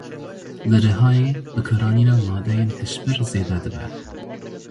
Li Rihayê bikaranîna madeyên hişbir zêde dibe.